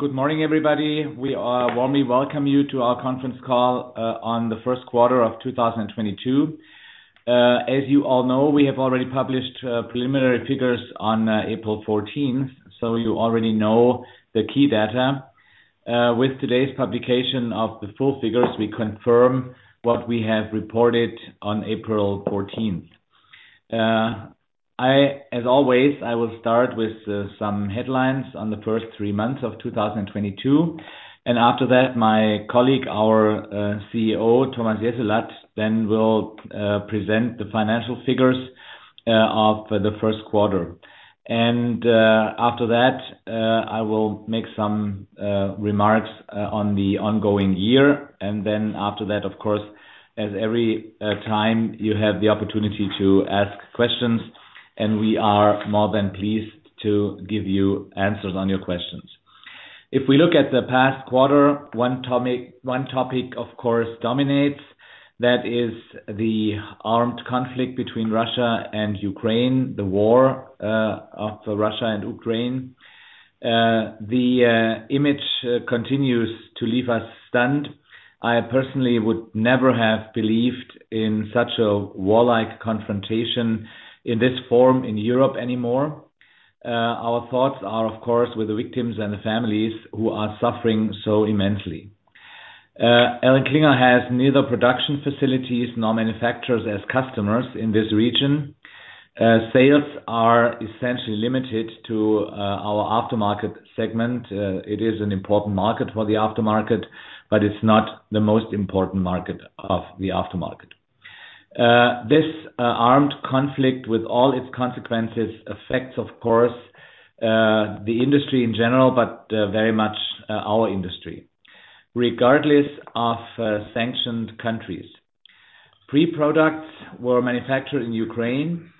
Good morning, everybody. We warmly welcome you to our conference call on the first quarter of 2022. As you all know, we have already published preliminary figures on April 14. So you already know the key data. With today's publication of the full figures, we confirm what we have reported on April 14. As always, I will start with some headlines on the first three months of 2022, and after that, my colleague, our CEO, Thomas Jessulat, then will present the financial figures of the first quarter. After that, I will make some remarks on the ongoing year. Then after that, of course, as every time, you have the opportunity to ask questions, and we are more than pleased to give you answers on your questions. If we look at the past quarter, one topic, of course, dominates. That is the armed conflict between Russia and Ukraine, the war of Russia and Ukraine. The image continues to leave us stunned. I personally would never have believed in such a warlike confrontation in this form in Europe anymore. Our thoughts are, of course, with the victims and the families who are suffering so immensely. ElringKlinger has neither production facilities nor manufacturers as customers in this region. Sales are essentially limited to our Aftermarket segment. It is an important market for the Aftermarket, but it's not the most important market of the Aftermarket. This armed conflict, with all its consequences, affects, of course, the industry in general, but very much our industry, regardless of sanctioned countries. Wiring systems were manufactured in Ukraine,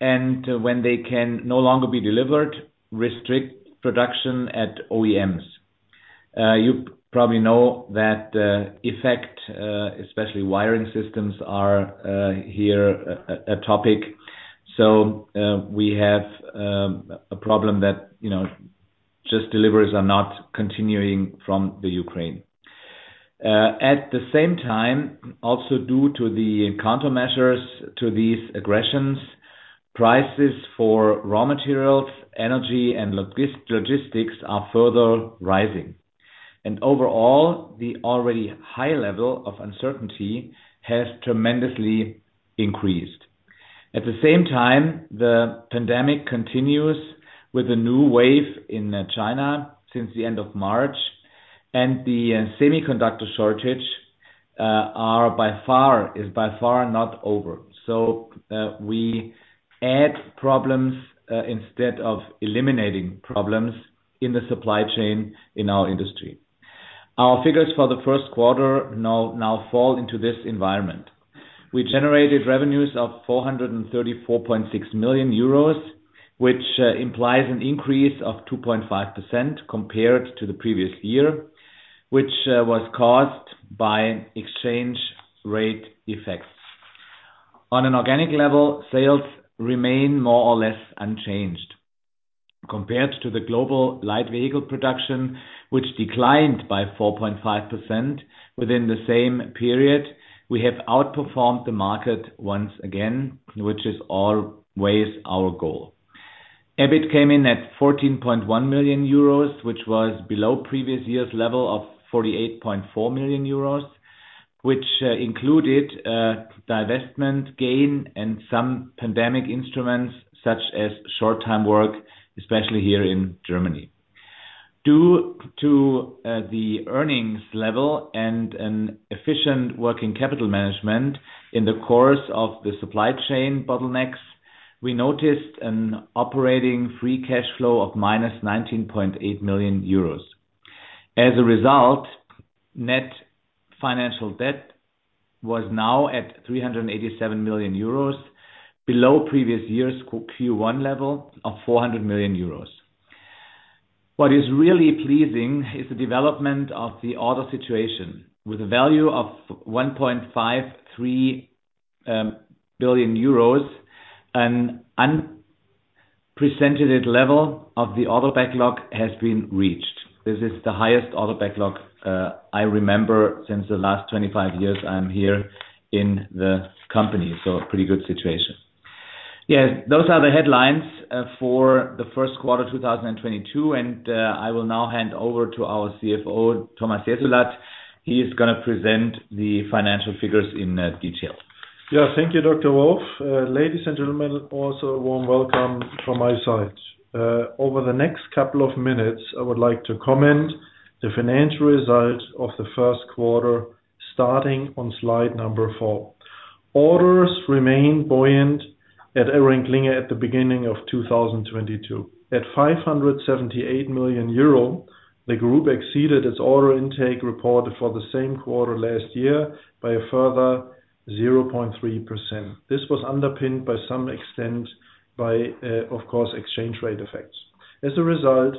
and when they can no longer be delivered, restrict production at OEMs. You probably know that effect, especially wiring systems, are here a topic. We have a problem that, you know, just deliveries are not continuing from the Ukraine. At the same time, also due to the countermeasures to these aggressions, prices for raw materials, energy, and logistics are further rising. Overall, the already high level of uncertainty has tremendously increased. At the same time, the pandemic continues with a new wave in China since the end of March, and the semiconductor shortage is by far not over. We add problems instead of eliminating problems in the supply chain in our industry. Our figures for the first quarter now fall into this environment. We generated revenues of 434.6 million euros, which implies an increase of 2.5% compared to the previous year, which was caused by exchange rate effects. On an organic level, sales remain more or less unchanged. Compared to the global light vehicle production, which declined by 4.5% within the same period, we have outperformed the market once again, which is always our goal. EBIT came in at 14.1 million euros, which was below previous year's level of 48.4 million euros, which included divestment gain and some pandemic instruments such as short-time work, especially here in Germany. Due to the earnings level and an efficient working capital management in the course of the supply chain bottlenecks, we noticed an operating free cash flow of minus 19.8 million euros. As a result, net financial debt was now at 387 million euros, below previous year's Q1 level of 400 million euros. What is really pleasing is the development of the order situation. With a value of 1.53 billion euros, an unprecedented level of the order backlog has been reached. This is the highest order backlog I remember since the last 25 years I'm here in the company. A pretty good situation. Yes, those are the headlines for the first quarter 2022, and I will now hand over to our CFO, Thomas Jessulat. He is gonna present the financial figures in detail. Yeah. Thank you, Dr. Wolf. Ladies and gentlemen, also a warm welcome from my side. Over the next couple of minutes, I would like to comment on the financial results of the first quarter, starting on slide 4. Orders remained buoyant at ElringKlinger at the beginning of 2022. At 578 million euro, the group exceeded its order intake reported for the same quarter last year by a further 0.3%. This was underpinned to some extent by, of course, exchange rate effects. As a result,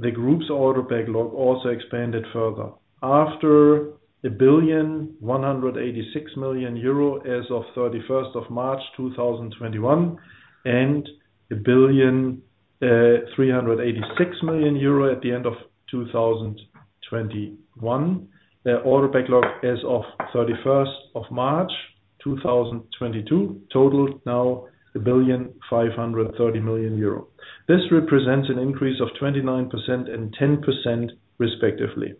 the group's order backlog also expanded further. After 1,186 million euro as of March 31, 2021 and 1,386 million euro at the end of 2021. The order backlog as of 31st of March, 2022, totals now 1,530 million euro. This represents an increase of 29% and 10% respectively.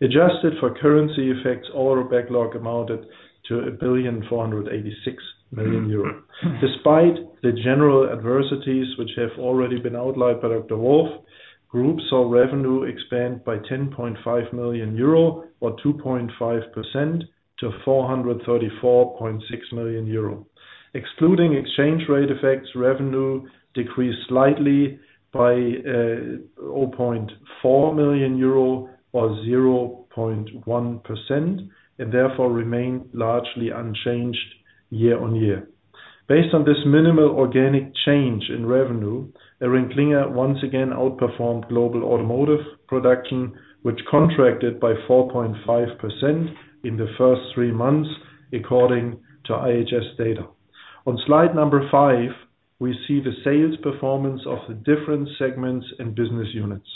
Adjusted for currency effects, order backlog amounted to 1,486 million euro. Despite the general adversities which have already been outlined by Dr. Wolf, Group saw revenue expand by 10.5 million euro or 2.5% to 434.6 million euro. Excluding exchange rate effects, revenue decreased slightly by 0.4 million euro or 0.1%, and therefore remained largely unchanged year-on-year. Based on this minimal organic change in revenue, ElringKlinger once again outperformed global automotive production, which contracted by 4.5% in the first three months according to IHS data. On slide number five, we see the sales performance of the different segments and business units.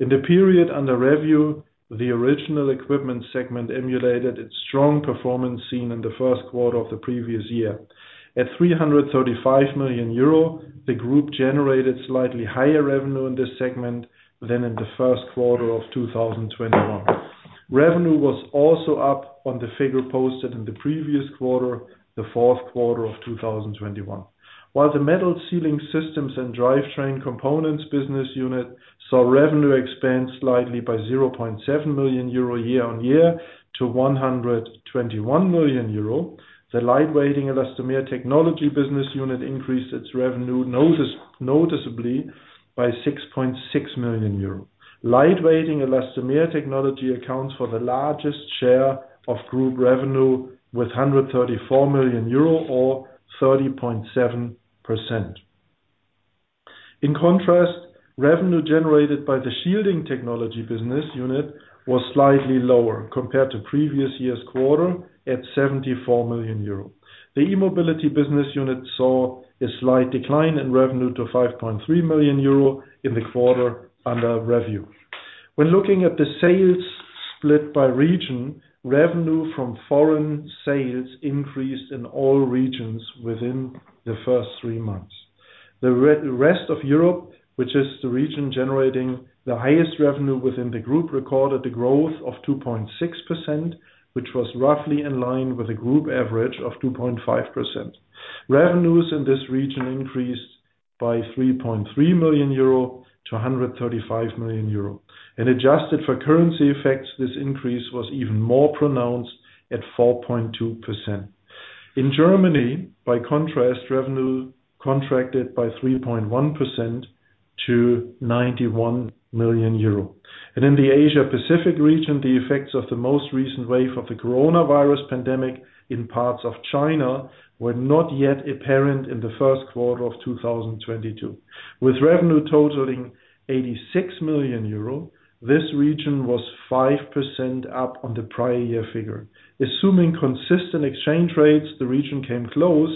In the period under review, the original equipment segment emulated its strong performance seen in the first quarter of the previous year. At 335 million euro, the group generated slightly higher revenue in this segment than in the first quarter of 2021. Revenue was also up on the figure posted in the previous quarter, the fourth quarter of 2021. While the Metal Sealing Systems & Drivetrain Components business unit saw revenue expand slightly by 0.7 million euro year-on-year to 121 million euro, the Lightweighting Elastomer Technology business unit increased its revenue noticeably by 6.6 million euros. Lightweighting Elastomer Technology accounts for the largest share of group revenue with 134 million euro or 30.7%. In contrast, revenue generated by the Shielding Technology business unit was slightly lower compared to previous year's quarter at 74 million euro. The E-Mobility business unit saw a slight decline in revenue to 5.3 million euro in the quarter under review. When looking at the sales split by region, revenue from foreign sales increased in all regions within the first three months. The rest of Europe, which is the region generating the highest revenue within the group, recorded a growth of 2.6%, which was roughly in line with the group average of 2.5%. Revenues in this region increased by 3.3 million euro to 135 million euro. Adjusted for currency effects, this increase was even more pronounced at 4.2%. In Germany, by contrast, revenue contracted by 3.1% to 91 million euro. In the Asia Pacific region, the effects of the most recent wave of the coronavirus pandemic in parts of China were not yet apparent in the first quarter of 2022. With revenue totaling 86 million euro, this region was 5% up on the prior year figure. Assuming consistent exchange rates, the region came close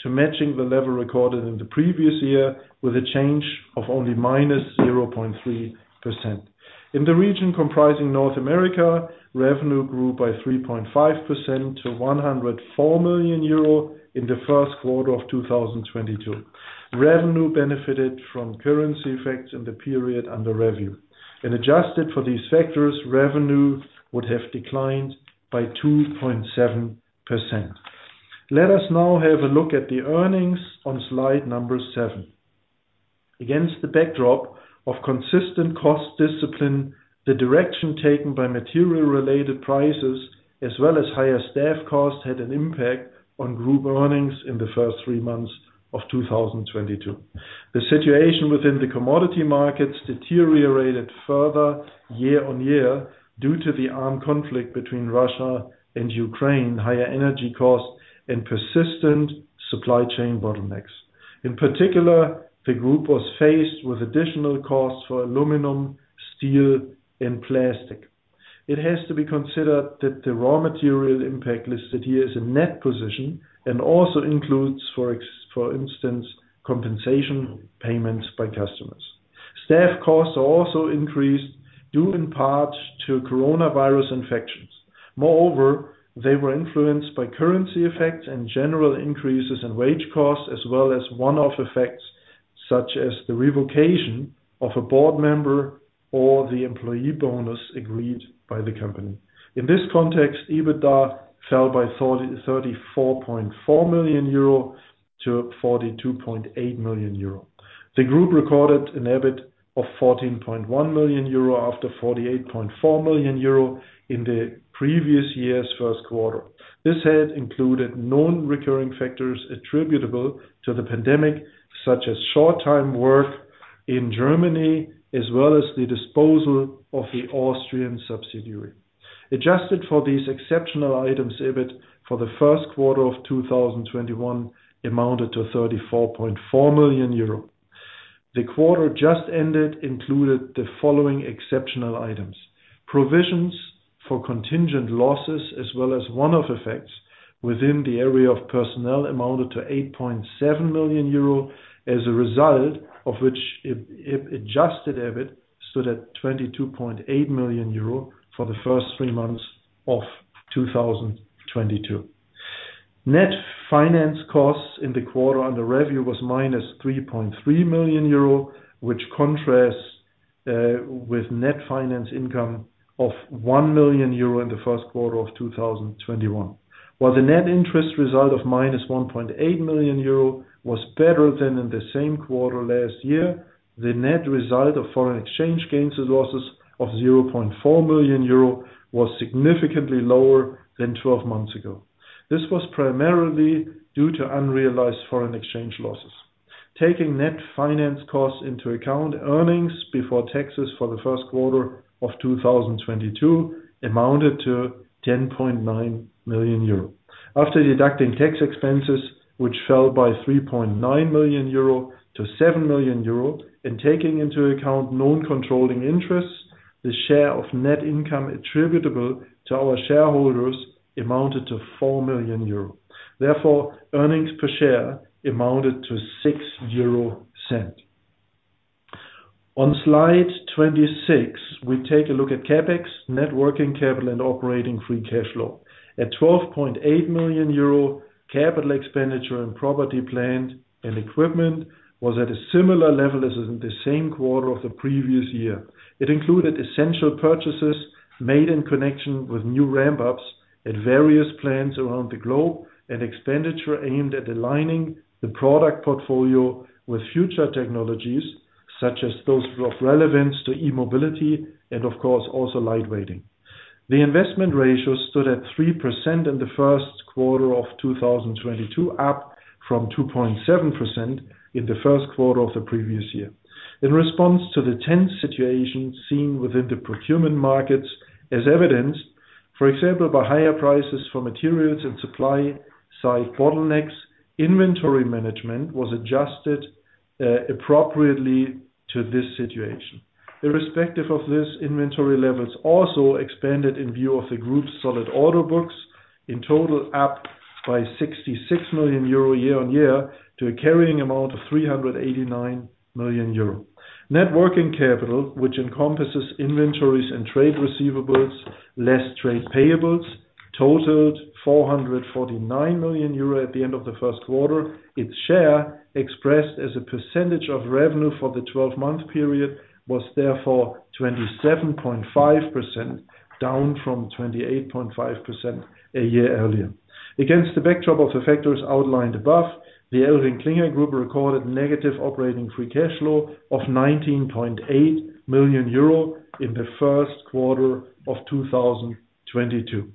to matching the level recorded in the previous year with a change of only -0.3%. In the region comprising North America, revenue grew by 3.5% to 104 million euro in the first quarter of 2022. Revenue benefited from currency effects in the period under review. Adjusted for these factors, revenue would have declined by 2.7%. Let us now have a look at the earnings on slide number seven. Against the backdrop of consistent cost discipline, the direction taken by material related prices as well as higher staff costs had an impact on group earnings in the first three months of 2022. The situation within the commodity markets deteriorated further year on year due to the armed conflict between Russia and Ukraine, higher energy costs and persistent supply chain bottlenecks. In particular, the group was faced with additional costs for aluminum, steel and plastic. It has to be considered that the raw material impact listed here is a net position and also includes, for instance, compensation payments by customers. Staff costs also increased, due in part to coronavirus infections. Moreover, they were influenced by currency effects and general increases in wage costs, as well as one-off effects, such as the revocation of a board member or the employee bonus agreed by the company. In this context, EBITDA fell by 34.4 million euro to 42.8 million euro. The group recorded an EBIT of 14.1 million euro after 48.4 million euro in the previous year's first quarter. This had included non-recurring factors attributable to the pandemic, such as short-time work in Germany, as well as the disposal of the Austrian subsidiary. Adjusted for these exceptional items, EBIT for the first quarter of 2021 amounted to 34.4 million euro. The quarter just ended included the following exceptional items, provisions for contingent losses as well as one-off effects within the area of personnel amounted to 8.7 million euro. As a result of which, adjusted EBIT stood at 22.8 million euro for the first three months of 2022. Net finance costs in the quarter on the revenue was -3.3 million euro, which contrasts with net finance income of 1 million euro in the first quarter of 2021. While the net interest result of -1.8 million euro was better than in the same quarter last year, the net result of foreign exchange gains and losses of 0.4 million euro was significantly lower than twelve months ago. This was primarily due to unrealized foreign exchange losses. Taking net finance costs into account, earnings before taxes for the first quarter of 2022 amounted to 10.9 million euro. After deducting tax expenses, which fell by 3.9 million euro to 7 million euro and taking into account non-controlling interests, the share of net income attributable to our shareholders amounted to 4 million euro. Therefore, earnings per share amounted to 0.06. On slide 26, we take a look at CapEx, net working capital and operating free cash flow. At 12.8 million euro, capital expenditure and property plant and equipment was at a similar level as in the same quarter of the previous year. It included essential purchases made in connection with new ramp-ups at various plants around the globe, and expenditure aimed at aligning the product portfolio with future technologies, such as those of relevance to e-mobility and of course also lightweighting. The investment ratio stood at 3% in the first quarter of 2022, up from 2.7% in the first quarter of the previous year. In response to the tense situation seen within the procurement markets as evidenced, for example, by higher prices for materials and supply side bottlenecks, inventory management was adjusted, appropriately to this situation. Irrespective of this, inventory levels also expanded in view of the group's solid order books, in total up by 66 million euro year-on-year to a carrying amount of 389 million euro. Net working capital, which encompasses inventories and trade receivables, less trade payables, totaled 449 million euro at the end of the first quarter. Its share expressed as a percentage of revenue for the 12 month period was therefore 27.5%, down from 28.5% a year earlier. Against the backdrop of the factors outlined above, the ElringKlinger Group recorded negative operating free cash flow of 19.8 million euro in the first quarter of 2022.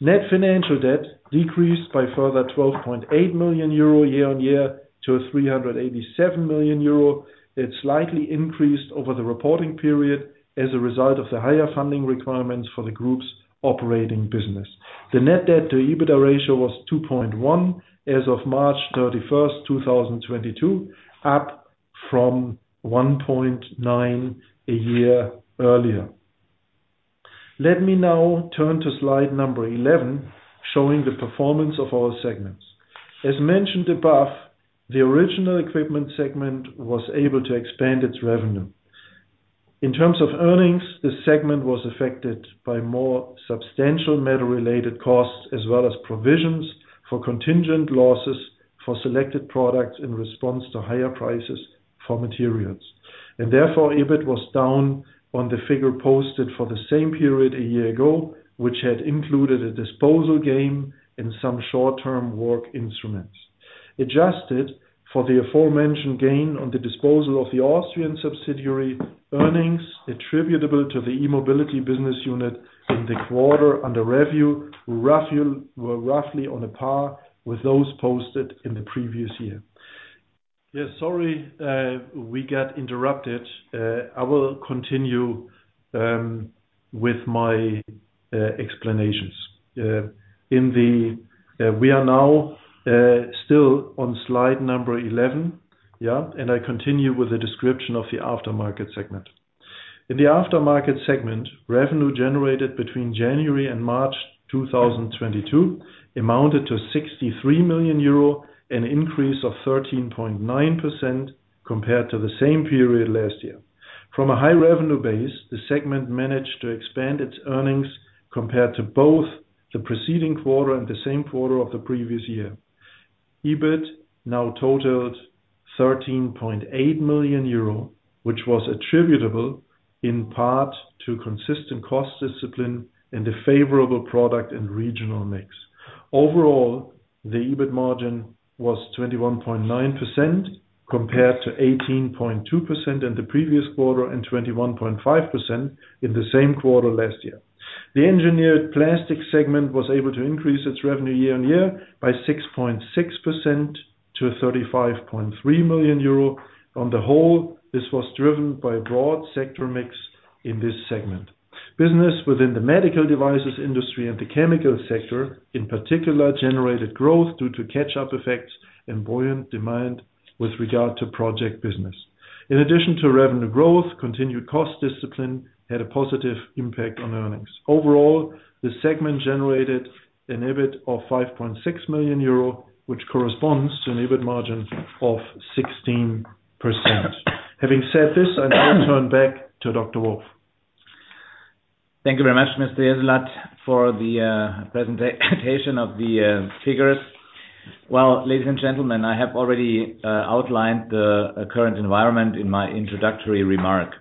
Net financial debt decreased by a further 12.8 million euro year-on-year to 387 million euro. It slightly increased over the reporting period as a result of the higher funding requirements for the Group's operating business. The net debt to EBITDA ratio was 2.1 as of March 31, 2022, up from 1.9 a year earlier. Let me now turn to slide 11, showing the performance of our segments. As mentioned above, the Original Equipment segment was able to expand its revenue. In terms of earnings, this segment was affected by more substantial metal-related costs as well as provisions for contingent losses for selected products in response to higher prices for materials. Therefore, EBIT was down on the figure posted for the same period a year ago, which had included a disposal gain in some short-time work instruments. Adjusted for the aforementioned gain on the disposal of the Austrian subsidiary, earnings attributable to the E-Mobility business unit in the quarter were roughly on par with those posted in the previous year. Yeah, sorry, we got interrupted. I will continue with my explanations. We are now still on slide number 11. Yeah, I continue with the description of the Aftermarket segment. In the Aftermarket segment, revenue generated between January and March 2022 amounted to 63 million euro, an increase of 13.9% compared to the same period last year. From a high revenue base, the segment managed to expand its earnings compared to both the preceding quarter and the same quarter of the previous year. EBIT now totaled 13.8 million euro, which was attributable in part to consistent cost discipline and the favorable product and regional mix. Overall, the EBIT margin was 21.9% compared to 18.2% in the previous quarter and 21.5% in the same quarter last year. The Engineered Plastics segment was able to increase its revenue year-on-year by 6.6% to 35.3 million euro. On the whole, this was driven by a broad sector mix in this segment. Business within the medical devices industry and the chemical sector, in particular, generated growth due to catch-up effects and buoyant demand with regard to project business. In addition to revenue growth, continued cost discipline had a positive impact on earnings. Overall, the segment generated an EBIT of 5.6 million euro, which corresponds to an EBIT margin of 16%. Having said this, I now turn back to Dr. Wolf. Thank you very much, Mr. Jessulat, for the presentation of the figures. Well, ladies and gentlemen, I have already outlined the current environment in my introductory remark.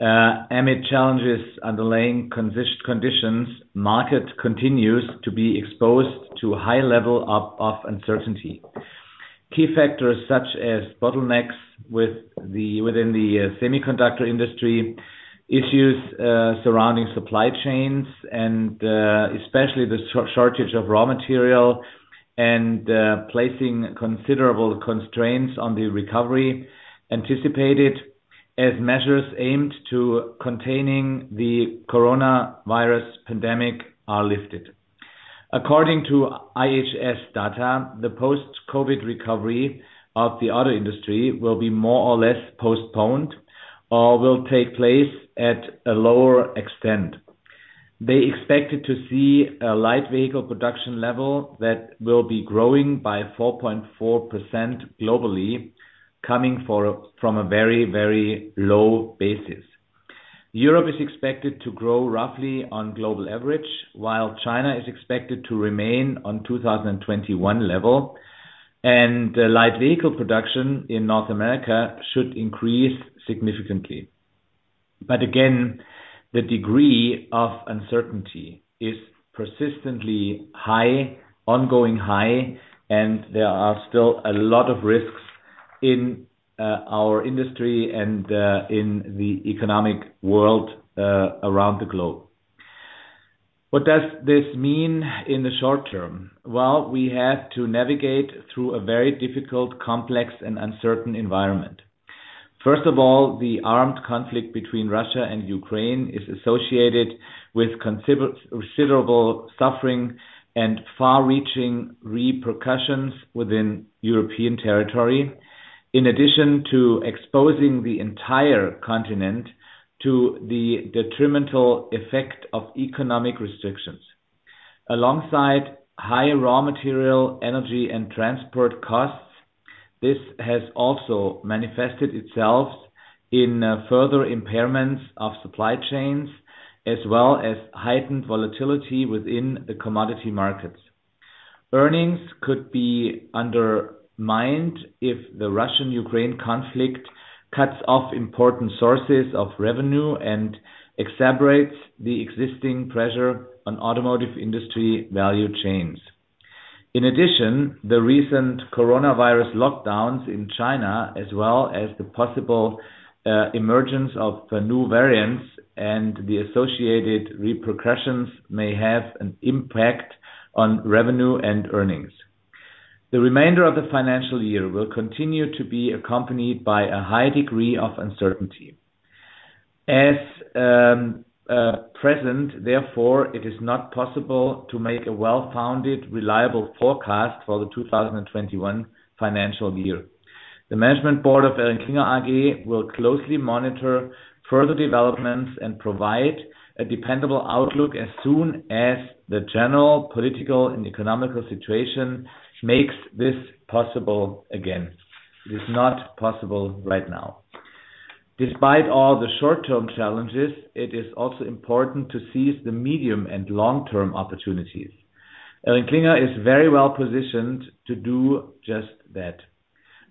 Amid challenges underlying conditions, market continues to be exposed to a high level of uncertainty. Key factors such as bottlenecks within the semiconductor industry, issues surrounding supply chains, and especially the shortage of raw material and placing considerable constraints on the recovery anticipated as measures aimed at containing the coronavirus pandemic are lifted. According to IHS data, the post-COVID recovery of the auto industry will be more or less postponed or will take place at a lower extent. They expected to see a light vehicle production level that will be growing by 4.4% globally, coming from a very low basis. Europe is expected to grow roughly on global average, while China is expected to remain on 2021 level, and light vehicle production in North America should increase significantly. Again, the degree of uncertainty is persistently high, ongoing high, and there are still a lot of risks in our industry and in the economic world around the globe. What does this mean in the short term? Well, we have to navigate through a very difficult, complex, and uncertain environment. First of all, the armed conflict between Russia and Ukraine is associated with considerable suffering and far-reaching repercussions within European territory. In addition to exposing the entire continent to the detrimental effect of economic restrictions. Alongside high raw material, energy, and transport costs, this has also manifested itself in further impairments of supply chains, as well as heightened volatility within the commodity markets. Earnings could be undermined if the Russia-Ukraine conflict cuts off important sources of revenue and exacerbates the existing pressure on automotive industry value chains. In addition, the recent coronavirus lockdowns in China, as well as the possible emergence of new variants and the associated repercussions may have an impact on revenue and earnings. The remainder of the financial year will continue to be accompanied by a high degree of uncertainty. At present, therefore, it is not possible to make a well-founded, reliable forecast for the 2021 financial year. The management board of ElringKlinger AG will closely monitor further developments and provide a dependable outlook as soon as the general political and economic situation makes this possible again. It is not possible right now. Despite all the short-term challenges, it is also important to seize the medium and long-term opportunities. ElringKlinger is very well-positioned to do just that.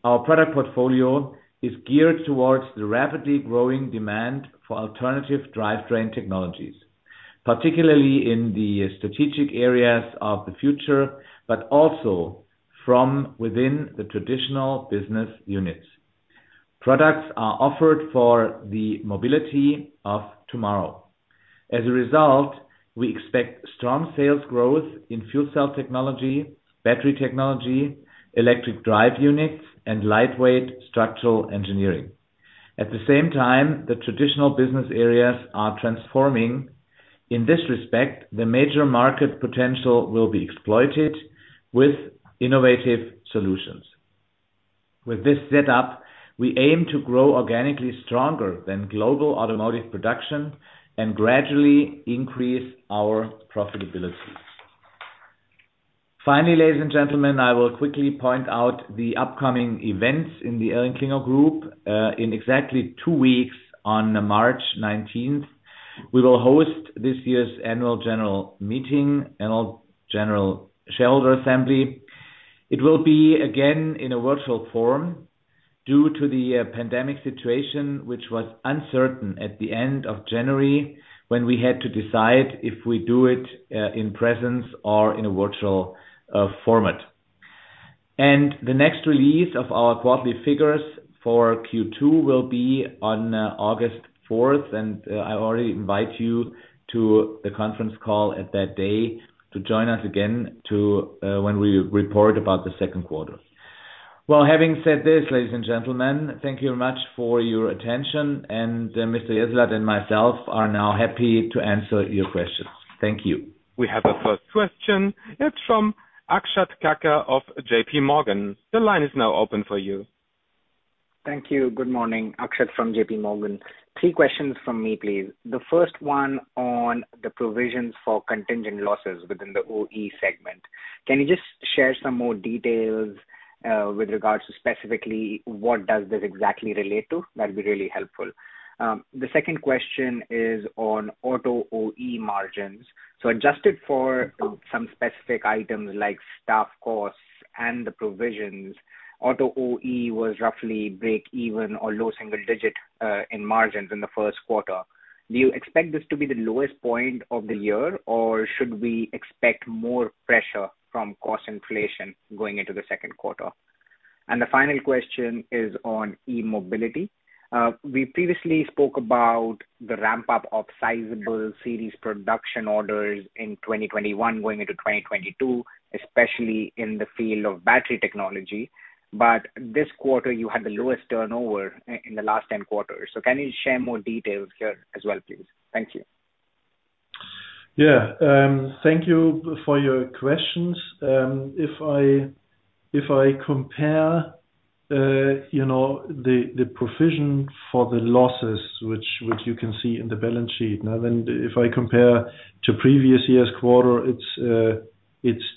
Our product portfolio is geared towards the rapidly growing demand for alternative drivetrain technologies, particularly in the strategic areas of the future, but also from within the traditional business units. Products are offered for the mobility of tomorrow. As a result, we expect strong sales growth in fuel cell technology, battery technology, electric drive units, and lightweight structural engineering. At the same time, the traditional business areas are transforming. In this respect, the major market potential will be exploited with innovative solutions. With this set up, we aim to grow organically stronger than global automotive production and gradually increase our profitability. Finally, ladies and gentlemen, I will quickly point out the upcoming events in the ElringKlinger Group. In exactly two weeks on March nineteenth, we will host this year's annual general meeting, annual general shareholder assembly. It will be again in a virtual form due to the pandemic situation, which was uncertain at the end of January, when we had to decide if we do it in presence or in a virtual format. The next release of our quarterly figures for Q2 will be on August fourth. I already invite you to the conference call at that day to join us again to when we report about the second quarter. Well, having said this, ladies and gentlemen, thank you very much for your attention. Mr. Jessulat and myself are now happy to answer your questions. Thank you. We have a first question. It's from Akshat Kacker of JPMorgan. The line is now open for you. Thank you. Good morning. Akshat from JPMorgan. Three questions from me, please. The first one on the provisions for contingent losses within the OE segment. Can you just share some more details with regards to specifically what does this exactly relate to? That'd be really helpful. The second question is on auto OE margins. So adjusted for some specific items like staff costs and the provisions, auto OE was roughly breakeven or low single-digit% in margins in the first quarter. Do you expect this to be the lowest point of the year, or should we expect more pressure from cost inflation going into the second quarter? The final question is on E-Mobility. We previously spoke about the ramp-up of sizable series production orders in 2021 going into 2022, especially in the field of battery technology. This quarter you had the lowest turnover in the last 10 quarters. Can you share more details here as well, please? Thank you. Yeah. Thank you for your questions. If I compare, you know, the provision for the losses, which you can see in the balance sheet. Now then if I compare to previous year's quarter, it's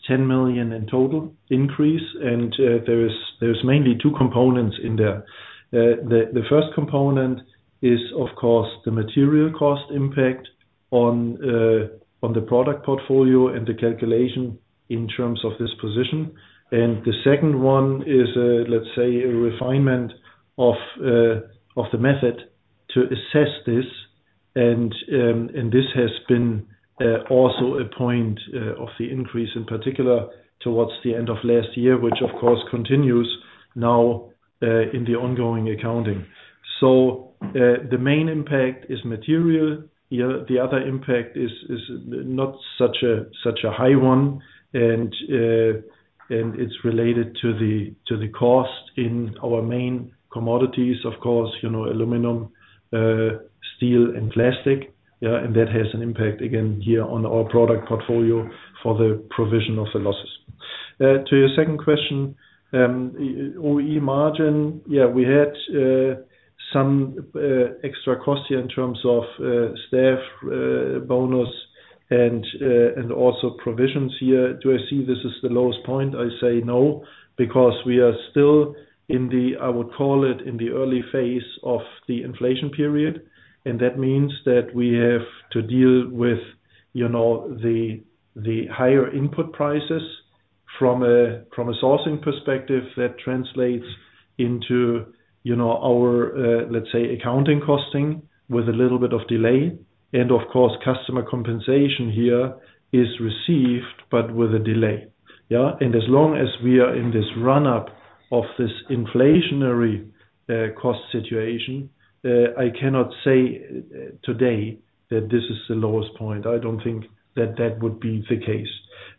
10 million in total increase. There's mainly two components in there. The first component is of course the material cost impact on the product portfolio and the calculation in terms of this position. The second one is let's say a refinement of the method to assess this. This has been also a point of the increase in particular towards the end of last year, which of course continues now in the ongoing accounting. The main impact is material. The other impact is not such a high one. It's related to the cost in our main commodities, of course, you know, aluminum, steel and plastic. Yeah. That has an impact again here on our product portfolio for the provisions for the losses. To your second question, OE margin. Yeah, we had some extra cost here in terms of staff bonus and also provisions here. Do I see this as the lowest point? I say no, because we are still in the, I would call it, in the early phase of the inflation period, and that means that we have to deal with, you know, the higher input prices from a, from a sourcing perspective that translates into, you know, our, let's say, accounting costing with a little bit of delay. Of course, customer compensation here is received, but with a delay. Yeah. As long as we are in this run-up of this inflationary, cost situation, I cannot say today that this is the lowest point. I don't think that would be the case.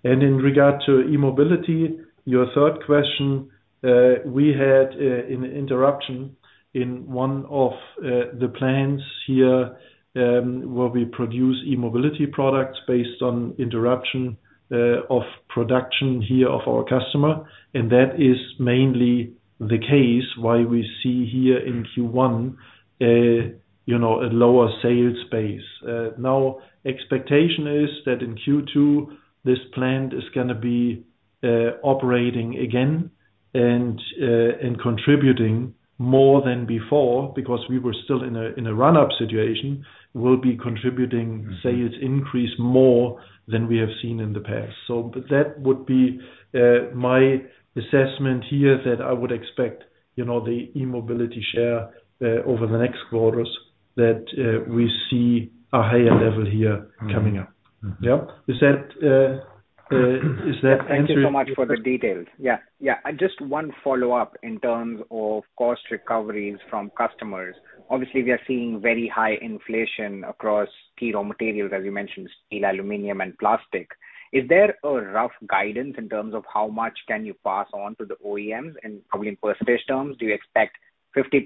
In regard to E-Mobility, your third question, we had an interruption in one of the plants here, where we produce E-Mobility products based on interruption of production here of our customer, and that is mainly the case why we see here in Q1, you know, a lower sales pace. Now expectation is that in Q2, this plant is gonna be operating again and contributing more than before because we were still in a run-up situation. We'll be contributing sales increase more than we have seen in the past. That would be my assessment here, that I would expect, you know, the E-Mobility share over the next quarters that we see a higher level here coming up. Mm-hmm. Yeah. Is that answering your question? Thank you so much for the details. Yeah, yeah. Just one follow-up in terms of cost recoveries from customers. Obviously, we are seeing very high inflation across key raw materials, as you mentioned, steel, aluminum and plastic. Is there a rough guidance in terms of how much can you pass on to the OEMs and probably in percentage terms? Do you expect 50%,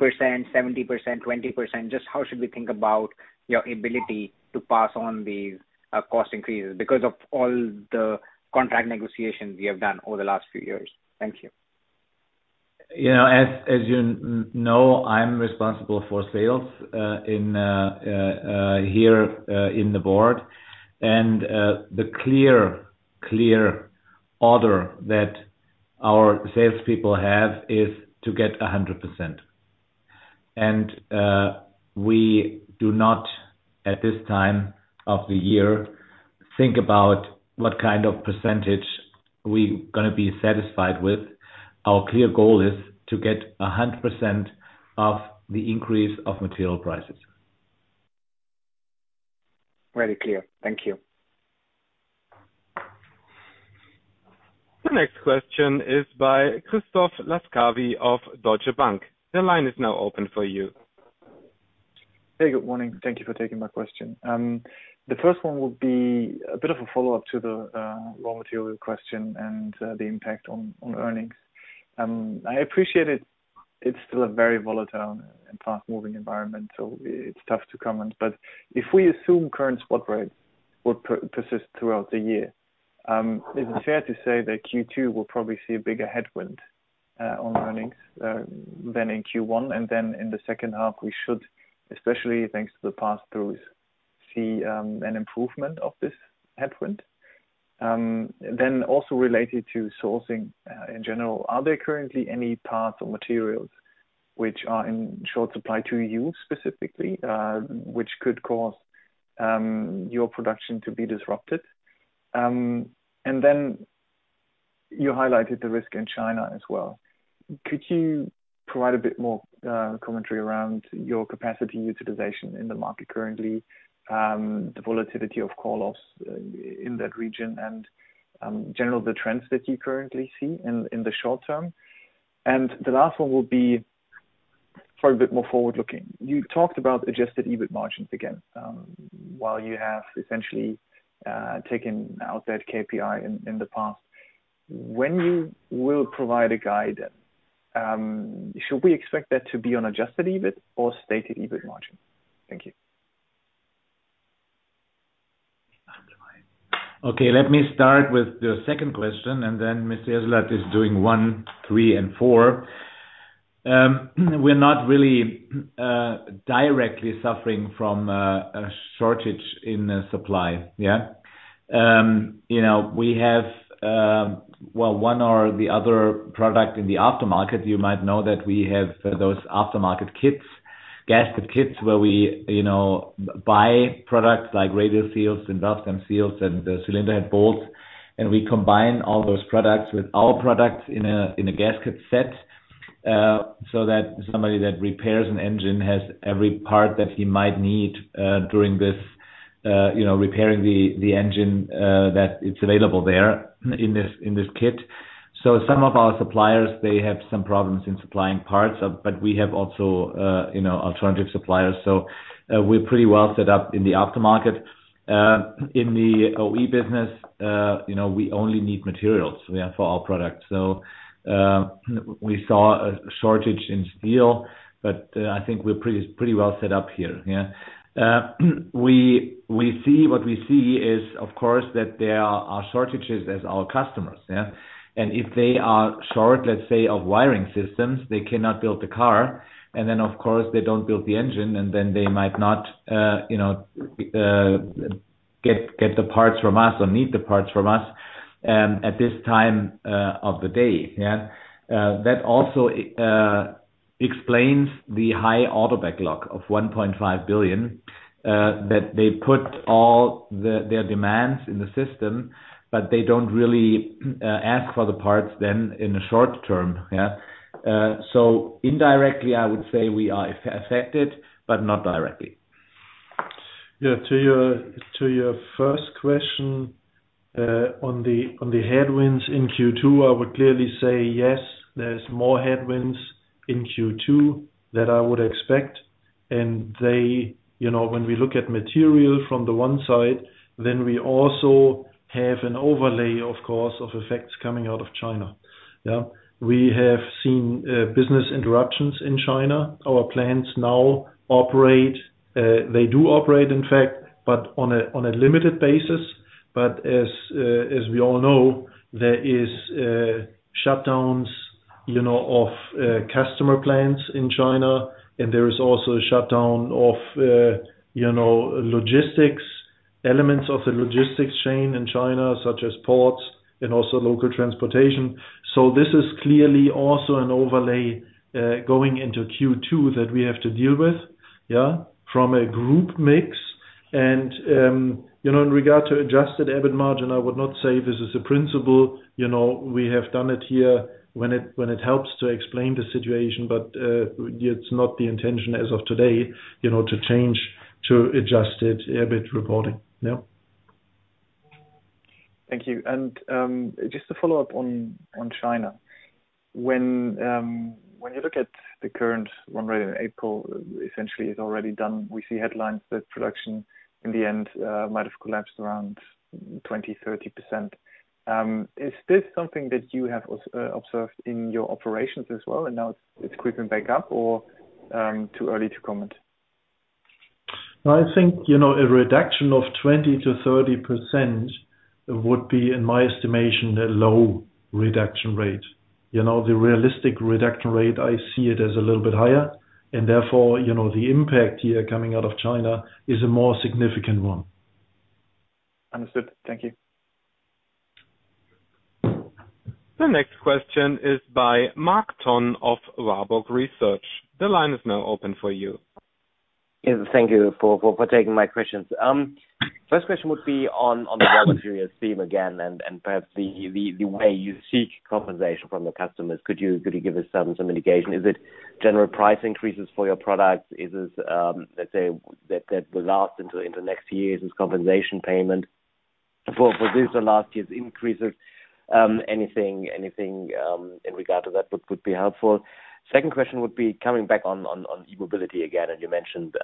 70%, 20%? Just how should we think about your ability to pass on these cost increases because of all the contract negotiations you have done over the last few years? Thank you. You know, as you know, I'm responsible for sales in the board. The clear order that our salespeople have is to get 100%. We do not, at this time of the year, think about what kind of percentage we gonna be satisfied with. Our clear goal is to get 100% of the increase of material prices. Very clear. Thank you. The next question is by Christoph Laskawi of Deutsche Bank. The line is now open for you. Hey, good morning. Thank you for taking my question. The first one will be a bit of a follow-up to the raw material question and the impact on earnings. I appreciate it's still a very volatile and fast-moving environment, so it's tough to comment. If we assume current spot rates will persist throughout the year Is it fair to say that Q2 will probably see a bigger headwind on earnings than in Q1? In the second half, we should, especially thanks to the pass throughs, see an improvement of this headwind. Related to sourcing in general, are there currently any parts or materials which are in short supply to you specifically, which could cause your production to be disrupted? You highlighted the risk in China as well. Could you provide a bit more commentary around your capacity utilization in the market currently, the volatility of call-offs in that region and general, the trends that you currently see in the short term? The last one will be for a bit more forward-looking. You talked about adjusted EBIT margins again. While you have essentially taken outside KPI in the past. When you will provide a guide, should we expect that to be on adjusted EBIT or stated EBIT margin? Thank you. Okay, let me start with the second question, and then Mr. Yes. Mr. Jessulat is doing one, three and four. We're not really directly suffering from a shortage in supply. Yeah. You know, we have well, one or the other product in the aftermarket. You might know that we have those Aftermarket kits, gasket kits, where we you know buy products like radial seals and dust pan seals and the cylinder head bolts, and we combine all those products with our products in a gasket set so that somebody that repairs an engine has every part that he might need during this you know repairing the engine that it's available there in this kit. Some of our suppliers they have some problems in supplying parts but we have also you know alternative suppliers. We're pretty well set up in the Aftermarket. In the OE business, you know, we only need materials, yeah, for our products. We saw a shortage in steel, but I think we're pretty well set up here. Yeah. What we see is of course, that there are shortages at our customers, yeah. If they are short, let's say, of wiring systems, they cannot build the car. Then of course, they don't build the engine, and then they might not, you know, get the parts from us or need the parts from us, at this time of the day. Yeah. That also explains the high auto backlog of 1.5 billion, that they put all their demands in the system, but they don't really ask for the parts then in the short term. Yeah. Indirectly, I would say we are affected, but not directly. Yeah. To your first question, on the headwinds in Q2, I would clearly say yes, there's more headwinds in Q2 that I would expect. They, you know, when we look at material from the one side, then we also have an overlay, of course, of effects coming out of China. Yeah. We have seen business interruptions in China. Our plants now operate, they do operate, in fact, but on a limited basis. As we all know, there is shutdowns, you know, of customer plants in China, and there is also a shutdown of you know, logistics elements of the logistics chain in China, such as ports and also local transportation. This is clearly also an overlay going into Q2 that we have to deal with, yeah, from a group mix. You know, in regard to adjusted EBIT margin, I would not say this is a principle. You know, we have done it here when it helps to explain the situation. It's not the intention as of today, you know, to change, to adjust it, EBIT reporting. Yeah. Thank you. Just a follow-up on China. When you look at the current one, April essentially is already done. We see headlines that production in the end might have collapsed around 20%-30%. Is this something that you have observed in your operations as well, and now it's creeping back up or too early to comment? I think, you know, a reduction of 20%-30% would be, in my estimation, a low reduction rate. You know, the realistic reduction rate, I see it as a little bit higher and therefore, you know, the impact here coming out of China is a more significant one. Understood. Thank you. The next question is by Marc Tonn of Warburg Research. The line is now open for you. Thank you for taking my questions. First question would be on the raw material theme again, and perhaps the way you seek compensation from the customers. Could you give us some indication? Is it general price increases for your products? Is this, let's say, that will last into next year as compensation payment for this or last year's increases? Anything in regard to that would be helpful. Second question would be coming back on E-Mobility again. You mentioned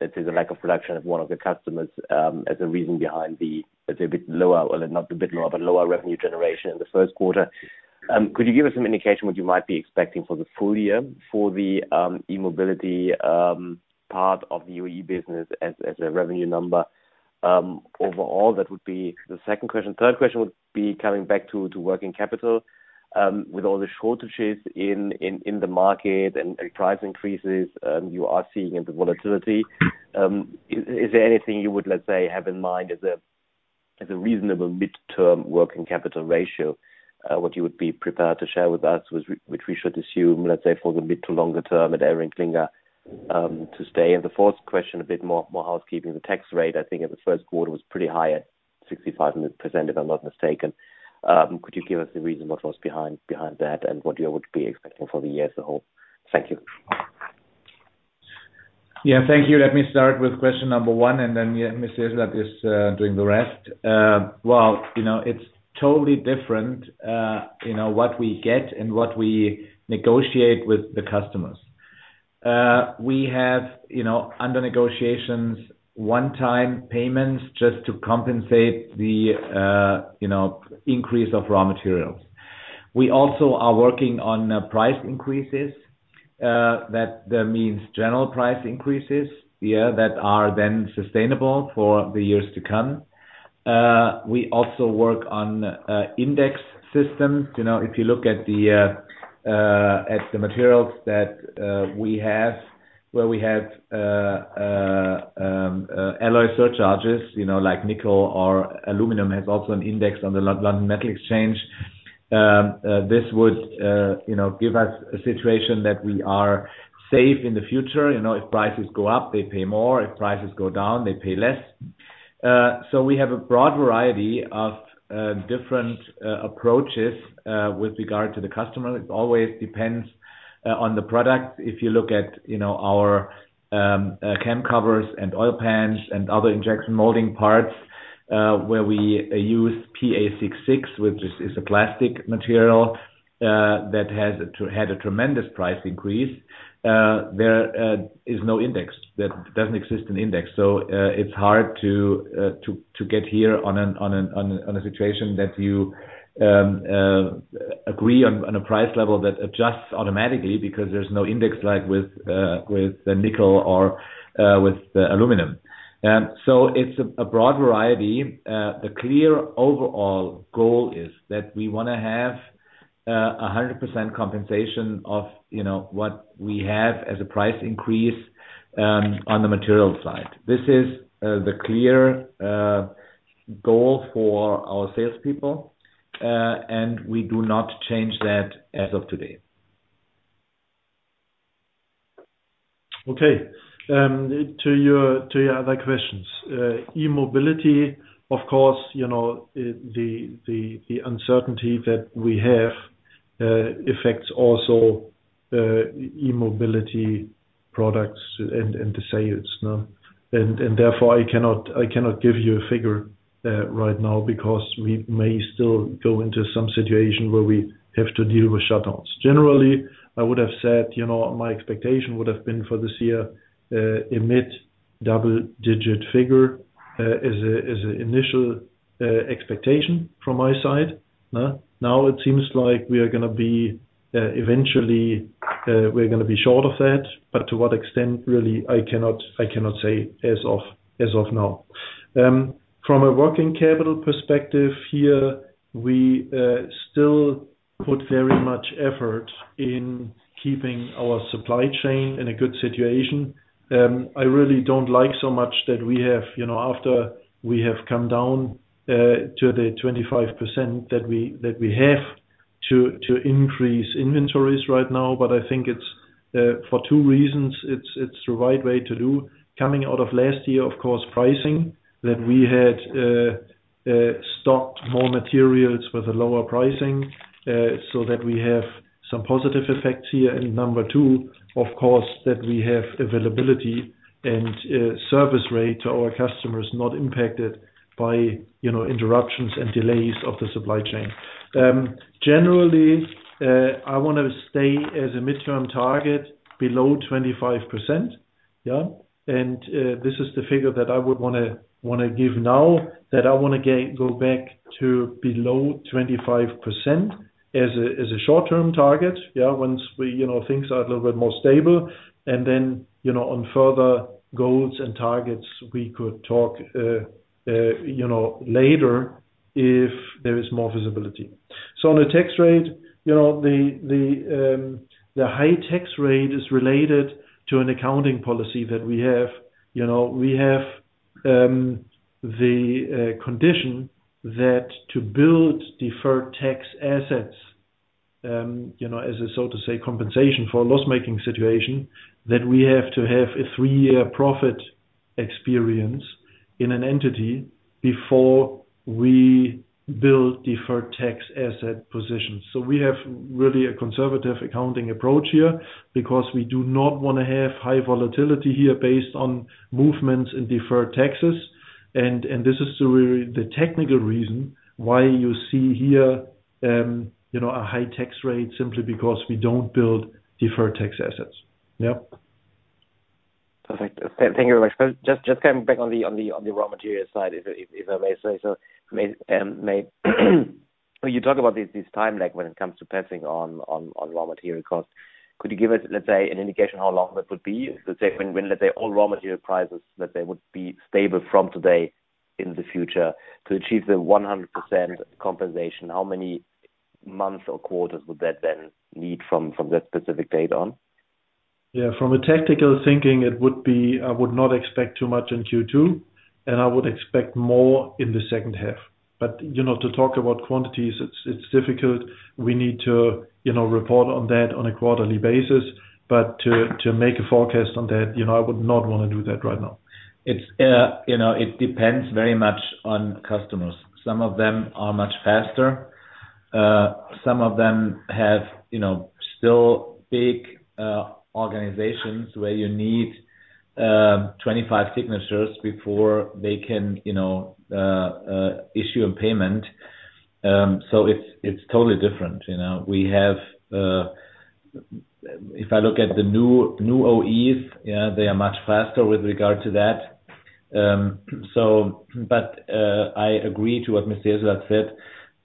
that there's a lack of production at one of the customers as a reason behind the, let's say, a bit lower, well, not a bit lower, but lower revenue generation in the first quarter. Could you give us some indication what you might be expecting for the full year for the E-Mobility part of the OE business as a revenue number? Overall that would be the second question. Third question would be coming back to working capital with all the shortages in the market and price increases you are seeing and the volatility. Is there anything you would, let's say, have in mind as a reasonable midterm working capital ratio, what you would be prepared to share with us, which we should assume, let's say, for the mid to longer term at ElringKlinger to stay? The fourth question, a bit more housekeeping. The tax rate, I think in the first quarter was pretty high at 6,500%, if I'm not mistaken. Could you give us the reason what was behind that and what you would be expecting for the year as a whole? Thank you. Yeah, thank you. Let me start with question number one, and then, yeah, Mr. Jessulat is doing the rest. Well, you know, it's totally different, you know, what we get and what we negotiate with the customers. We have, you know, under negotiations one-time payments just to compensate the, you know, increase of raw materials. We also are working on price increases, that means general price increases, yeah, that are then sustainable for the years to come. We also work on index systems. You know, if you look at the materials that we have, where we have alloy surcharges, you know, like nickel or aluminum has also an index on the London Metal Exchange. This would, you know, give us a situation that we are safe in the future. You know, if prices go up, they pay more. If prices go down, they pay less. We have a broad variety of different approaches with regard to the customer. It always depends on the product. If you look at, you know, our cam covers and oil pans and other injection molding parts, where we use PA66, which is a plastic material, that had a tremendous price increase, there is no index, that doesn't exist an index. It's hard to get here on a situation that you agree on a price level that adjusts automatically because there's no index like with the nickel or with the aluminum. It's a broad variety. The clear overall goal is that we wanna have 100% compensation of, you know, what we have as a price increase on the material side. This is the clear goal for our salespeople, and we do not change that as of today. Okay. To your other questions. E-Mobility, of course, you know, the uncertainty that we have affects also E-Mobility products and the sales, no? Therefore, I cannot give you a figure right now because we may still go into some situation where we have to deal with shutdowns. Generally, I would have said, you know, my expectation would have been for this year a mid-double digit figure is an initial expectation from my side. Now it seems like we are gonna be eventually we're gonna be short of that, but to what extent, really, I cannot say as of now. From a working capital perspective here, we still put very much effort in keeping our supply chain in a good situation. I really don't like so much that we have, you know, after we have come down to the 25% that we have to increase inventories right now, but I think it's for two reasons, it's the right way to do. Coming out of last year, of course, pricing that we had, stocked more materials with a lower pricing, so that we have some positive effects here. Number two, of course, that we have availability and service rate to our customers not impacted by, you know, interruptions and delays of the supply chain. Generally, I wanna stay as a midterm target below 25%, yeah. This is the figure that I would wanna give now, that I go back to below 25% as a short-term target, yeah. Once we, you know, things are a little bit more stable and then, you know, on further goals and targets, we could talk, you know, later if there is more visibility. On a tax rate, you know, the high tax rate is related to an accounting policy that we have. You know, we have the condition that to build deferred tax assets, you know, as a so to say compensation for a loss making situation, that we have to have a three-year profit experience in an entity before we build deferred tax asset positions. We have really a conservative accounting approach here because we do not wanna have high volatility here based on movements in deferred taxes. This is really the technical reason why you see here, you know, a high tax rate simply because we don't build deferred tax assets. Yep. Perfect. Thank you very much. Just coming back on the raw material side, if I may say so. Well, you talk about this time lag when it comes to passing on raw material costs. Could you give us, let's say, an indication how long that would be? Let's say when all raw material prices that they would be stable from today in the future to achieve the 100% compensation, how many months or quarters would that then need from that specific date on? Yeah. From a tactical thinking, it would be I would not expect too much in Q2, and I would expect more in the second half. You know, to talk about quantities, it's difficult. We need to, you know, report on that on a quarterly basis. To make a forecast on that, you know, I would not wanna do that right now. It's, you know, it depends very much on customers. Some of them are much faster. Some of them have, you know, still big organizations where you need 25 signatures before they can, you know, issue a payment. It's totally different, you know. We have, if I look at the new OEs, yeah, they are much faster with regard to that. I agree to what Mr. Jessulat said.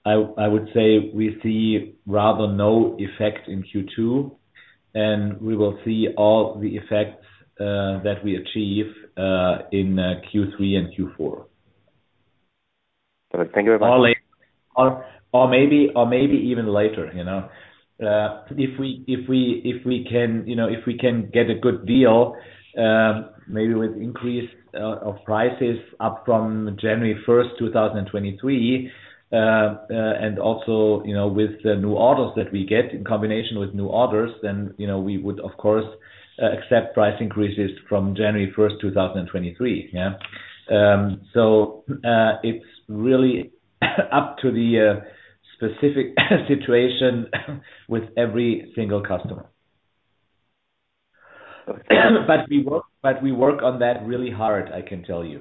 I would say we see rather no effect in Q2, and we will see all the effects that we achieve in Q3 and Q4. Perfect. Thank you very much. Maybe even later, you know. If we can get a good deal, maybe with increase of prices up from January 1, 2023, and also, you know, with the new orders that we get, in combination with new orders, then, you know, we would of course accept price increases from January 1, 2023, yeah. It's really up to the specific situation with every single customer. Okay. We work on that really hard, I can tell you.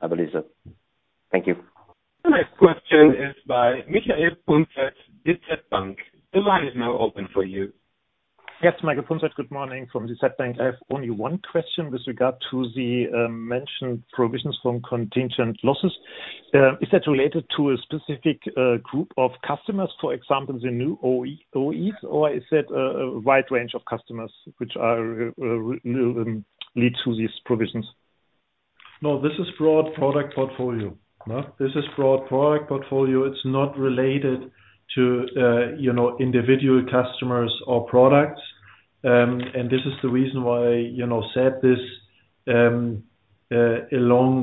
I believe so. Thank you. The next question is by Michael Punzet, DZ Bank. The line is now open for you. Yes, Michael Punzet. Good morning from DZ Bank. I have only one question with regard to the mentioned provisions for contingent losses. Is that related to a specific group of customers, for example, the new OEs? Or is it a wide range of customers which led to these provisions? No, this is broad product portfolio. It's not related to, you know, individual customers or products. This is the reason why, you know, said this, along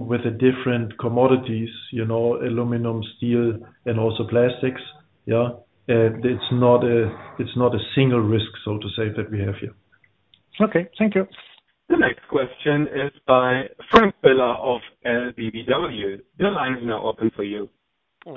with the different commodities, you know, aluminum, steel, and also plastics. Yeah. It's not a single risk, so to say, that we have here. Okay. Thank you. The next question is by Frank Biller of LBBW. Your line is now open for you.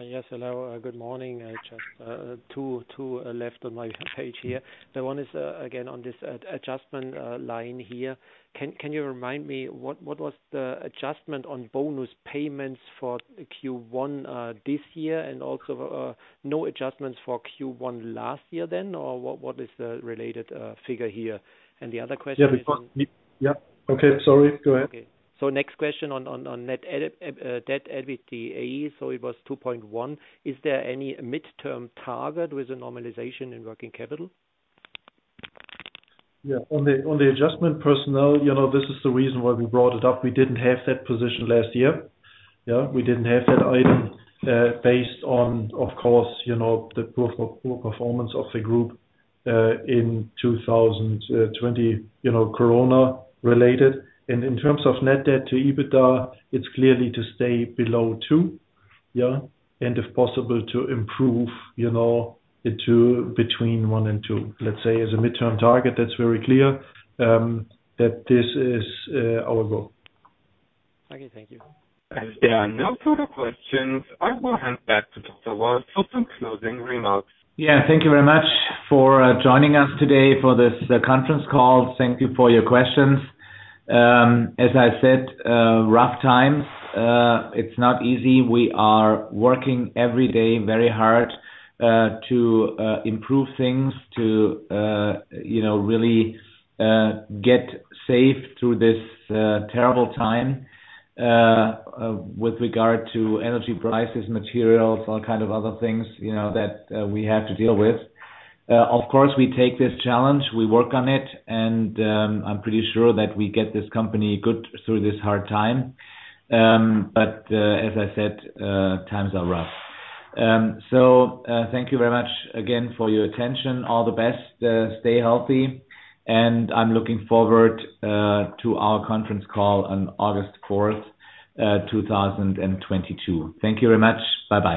Yes. Hello, good morning. I just have two left on my page here. One is again on this adjustment line here. Can you remind me what was the adjustment on bonus payments for Q1 this year and also no adjustments for Q1 last year then or what is the related figure here? The other question is on. Yeah. Okay. Sorry. Go ahead. Okay. Next question on net debt to EBITDA, it was 2.1. Is there any midterm target with the normalization in working capital? Yeah. On the adjustment personnel, you know, this is the reason why we brought it up. We didn't have that position last year. Yeah. We didn't have that item, based on, of course, you know, the poor performance of the group, in 2020, you know, corona related. In terms of net debt to EBITDA, it's clearly to stay below two. Yeah. And if possible, to improve, you know, it to between one and two, let's say, as a midterm target. That's very clear, that this is our goal. Okay. Thank you. As there are no further questions, I will hand back to Dr. Stefan Wolf for some closing remarks. Yeah. Thank you very much for joining us today for this conference call. Thank you for your questions. As I said, rough times. It's not easy. We are working every day very hard to improve things, to you know, really get safe through this terrible time with regard to energy prices, materials, all kind of other things, you know, that we have to deal with. Of course, we take this challenge, we work on it, and I'm pretty sure that we get this company good through this hard time. As I said, times are rough. Thank you very much again for your attention. All the best. Stay healthy, and I'm looking forward to our conference call on August fourth, 2022. Thank you very much. Bye-bye.